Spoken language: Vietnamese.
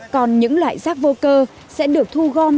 còn những loại rác vô cơ sẽ được thu gom